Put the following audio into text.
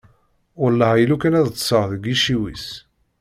Welleh, a lukan ad ṭṭseɣ deg iciwi-s.